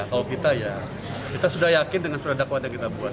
kalau kita ya kita sudah yakin dengan surat dakwaan yang kita buat